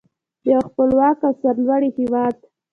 د یو خپلواک او سرلوړي هیواد.